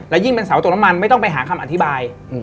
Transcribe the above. ยิ่งเป็นเสาตัวน้ำมันไม่ต้องไปหาคำอธิบาย